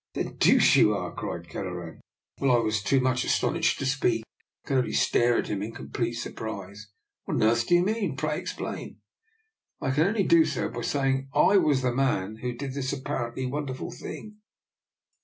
"The deuce you are!" cried Kelleran; while I was too much astonished to speak, and could only stare at him in complete sur prise. " What on earth do you mean? Pray explain." " I can only do so by saying that I was the man who did this apparently wonderful thing."